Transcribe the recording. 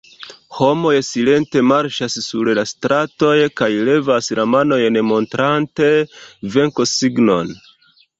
Homoj silente marŝas sur la stratoj kaj levas la manojn montrante venkosignon.